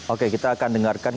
oke kita akan dengarkan